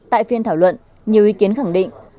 tại phiên thảo luận nhiều ý kiến khẳng định